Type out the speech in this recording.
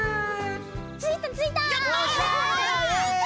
ついたついた！